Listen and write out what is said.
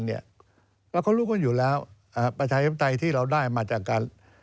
เราก็รู้ว่าอยู่แล้วปัจจัยเฉพาะใจที่เราได้มาจากการ